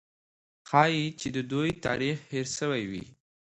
ښایي چې د دوی تاریخ هېر سوی وي.